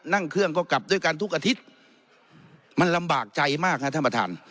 นั่งเครื่องก็กลับด้วยกันทุกอาทิตย์มันลำบากใจมากฮะท่านประธาน